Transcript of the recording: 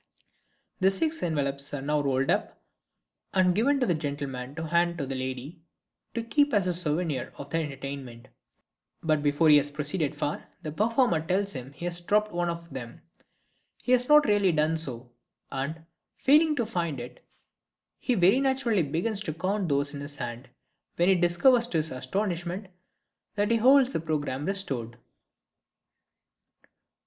The six envelopes are now rolled up and given to the gentleman to hand to the lady, to keep as a souvenir of the entertainment, but before he has proceeded far the performer tells him he has dropped one of them (he has not really done so), and, failing to find it, he very naturally begins to count those in his hand, when he discovers to his astonishment that he holds the programme restored.